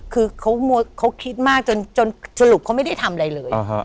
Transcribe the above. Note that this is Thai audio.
คือเขาคิดมากจนสรุปเขาไม่ได้ทำอะไรเลย